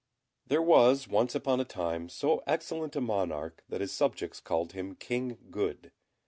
There was once upon a time so excellent a monarch that his subjects called him King Good.